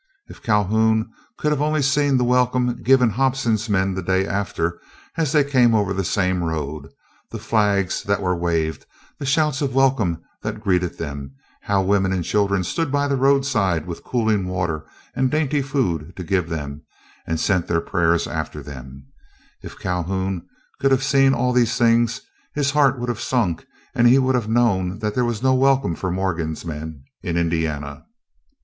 If Calhoun could only have seen the welcome given Hobson's men the day after as they came over the same road, the flags that were waved, the shouts of welcome that greeted them, how women and children stood by the roadside with cooling water and dainty food to give them, and sent their prayers after them—if Calhoun could have seen all these things, his heart would have sunk, and he would have known that there was no welcome for Morgan's men in Indiana.